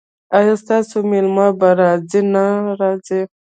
ایا ستاسو میلمه به را نه ځي؟